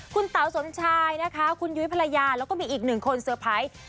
คุณเต๋าสมชายนะคะคุณยุ้ยภรรยาแล้วก็มีอีกหนึ่งคนเซอร์ไพรส์